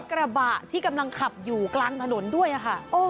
กระบะที่กำลังขับอยู่กลางถนนด้วยค่ะ